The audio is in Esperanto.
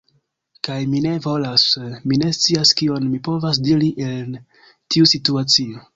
Kaj, mi ne volas... mi ne scias kion mi povas diri en tiu situacio.